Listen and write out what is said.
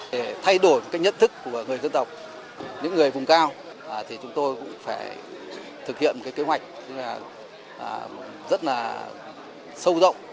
để thay đổi cái nhận thức của người dân tộc những người vùng cao thì chúng tôi cũng phải thực hiện một cái kế hoạch rất là sâu rộng